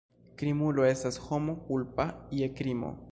Krimulo estas homo kulpa je krimo.